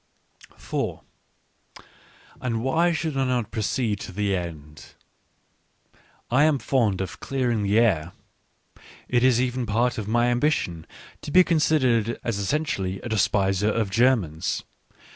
4 And why should I not proceed to the end ? I am fond of clearing the air. It is even part of my ^ambition to be considered as essentially a despiser )of Germans.